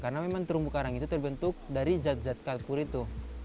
karena memang terumbu karang itu terbentuk dari zat zat kalkur itu